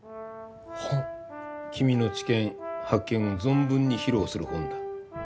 君の知見発見を存分に披露する本だ。